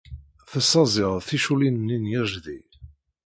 Tessaẓyeḍ ticulliḍin-nni n yejdi.